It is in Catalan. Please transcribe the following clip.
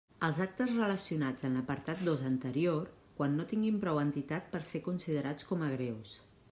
Els actes relacionats en l'apartat dos anterior, quan no tinguin prou entitat per ser considerats com a greus.